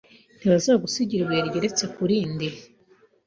Ntibazagusigira ibuye rigeretse ku rindi,